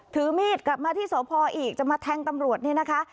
ถือมีดกลับมาที่สพอีกจะมาแทงตำรวจเนี่ยนะคะ